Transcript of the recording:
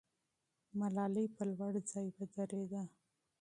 ملالۍ په لوړ ځای ودرېده.